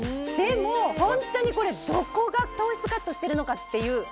でも、本当にどこが糖質カットしているのかという。